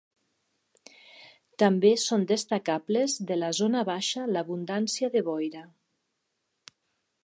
També són destacables de la zona baixa l'abundància de boira.